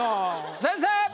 先生。